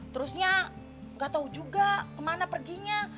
terusnya gak tau juga ke mana perginya